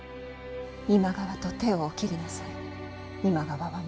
今川と手をお切りなさい。